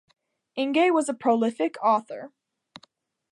Inge was a prolific author.